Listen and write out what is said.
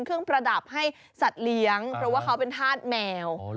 แต่ว่าเขาเป็นธาตุแมว